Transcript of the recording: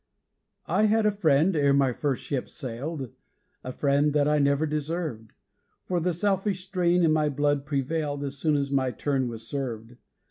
I had a friend, ere my first ship sailed, A friend that I never deserved For the selfish strain in my blood prevailed As soon as my turn was served.